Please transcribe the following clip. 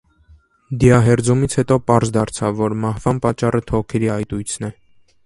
Դիահերձումից հետո պարզ դարձավ, որ մահվան պատճառը թոքերի այտույցն է։